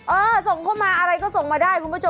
เออส่งเข้ามาอะไรก็ส่งมาได้คุณผู้ชม